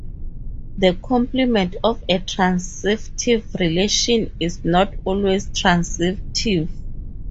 The complement of a transitive relation is not always transitive.